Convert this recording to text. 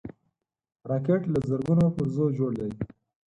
راکټ له زرګونو پرزو جوړ دی